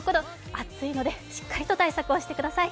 暑いので、しっかりと対策をしてください。